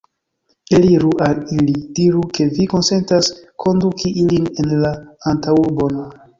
Eliru al ili, diru, ke vi konsentas konduki ilin en la antaŭurbon!